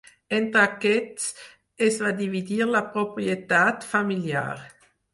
Entre aquests es va dividir la propietat familiar.